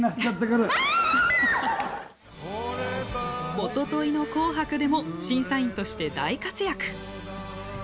おとといの「紅白」でも審査員として大活躍。